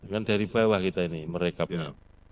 kan dari bawah kita ini merekapnya